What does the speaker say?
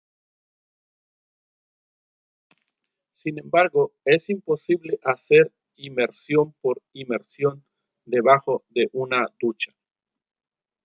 Sin embargo; es imposible hacer inmersión por inmersión debajo de una ducha.